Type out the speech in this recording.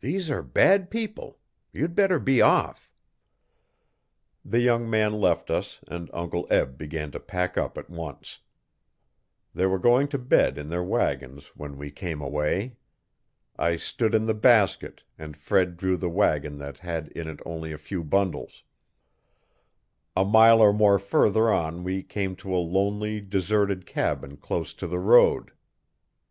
'These are bad people. You'd better be off.' The young man left us and Uncle Eb began to pack up at once. They were going to bed in their wagons when we came away. I stood in the basket and Fred drew the wagon that had in it only a few bundles. A mile or more further on we came to a lonely, deserted cabin close to the road.